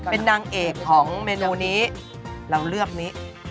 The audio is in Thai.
เป็นนางเอกของเมนูนี้เราเลือกนี้